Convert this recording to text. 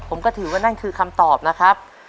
ผมก็ถือว่านั่นคือคำตอบนะครับ